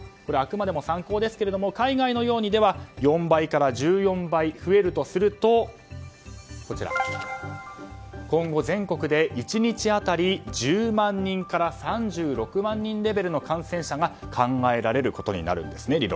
あくまでも参考ですが海外のように、では４倍から１４倍増えるとすると今後、全国で１日当たり１０万人から３６万人レベルの感染者が考えられることになるんですね。